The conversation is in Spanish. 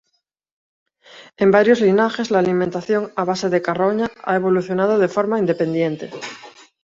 En varios linajes la alimentación a base de carroña a evolucionado de forma independiente.